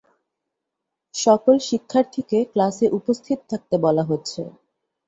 সকল শিক্ষার্থীকে ক্লাসে উপস্থিত থাকতে বলা হচ্ছে।